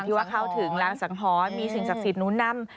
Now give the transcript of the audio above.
ว่าเข้าถึงร้านสังหรณ์มีสิ่งศักดิ์สิทธิหนุนนำ